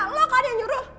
lo kan yang nyuruh